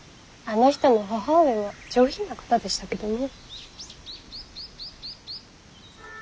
あの人の母上は上品な方でしたけどね。